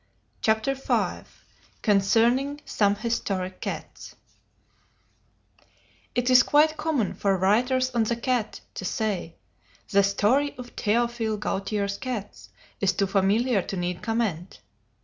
CHAPTER V CONCERNING SOME HISTORIC CATS It is quite common for writers on the cat to say, "The story of Théophile Gautier's cats is too familiar to need comment."